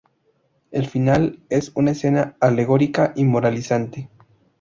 El final es una escena alegórica y moralizante.